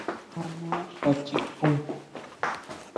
¿Áʼma kjuachikun?